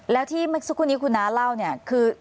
แล้วที่คุณน้าเล่าคือ